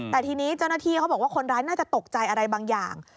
แต่ทีนี้เจ้าหน้าที่เขาบอกว่าคนร้ายน่าจะตกใจอะไรบางอย่าง